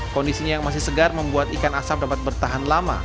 kondisinya yang masih segar membuat ikan asap dapat bertahan lama